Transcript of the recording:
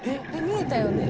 「見えたよね？」